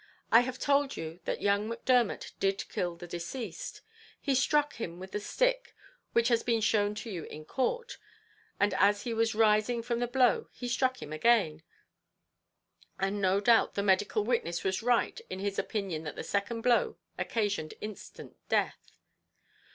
I have told you that young Macdermot did kill the deceased. He struck him with the stick which has been shown to you in court, and as he was rising from the blow he struck him again; and no doubt the medical witness was right in his opinion that the second blow occasioned instant death.